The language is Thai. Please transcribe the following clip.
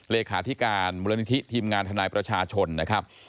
เลขาธิการมูลนิธิทีมงานทนายประชาชนนะครับ